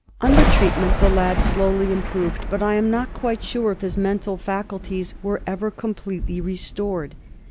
Under treatment the lad slowly improved, but I am not quite sure if his mental faculties were ever completely restored.